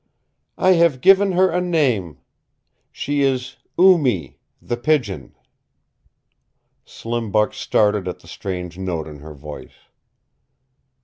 "I have given her a name. She is Oo Mee, the Pigeon." Slim Buck started at the strange note in her voice.